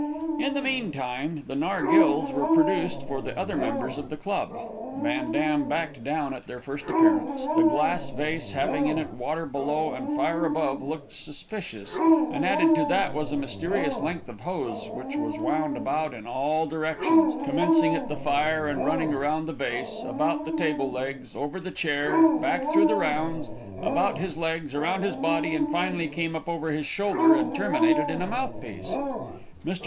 In the mean time, the nargillês were produced for the other members of the club. Van Dam backed down at their first appearance. The glass vase, having in it water below and fire above, looked suspicious, and added to that was a mysterious length of hose, which was wound about in all directions, commencing at the fire, and running around the vase, about the table legs, over the chair, back through the rounds, about his legs, around his body, and finally came up over his shoulder, and terminated in a mouth piece. Mr.